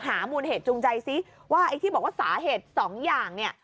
หามูลเหตุจูงใจซิว่าที่บอกว่าสาเหตุสองอย่าง